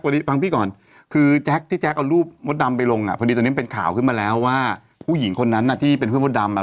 เดี่ยวผมดังเรื่องอะไรครับ